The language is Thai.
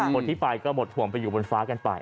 คนที่ไปก็หมดห่วงไปอยู่บนฟ้ากันไป